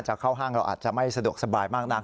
เข้าห้างเราอาจจะไม่สะดวกสบายมากนัก